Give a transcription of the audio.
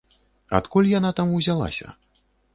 Адкуль яна там узялася?